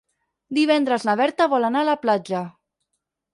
Divendres na Berta vol anar a la platja.